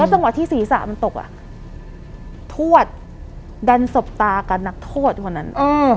แล้วสำหรับที่ศรีษะมันตกอ่ะทวดดันสบตากับนักโทษของนั้นเออ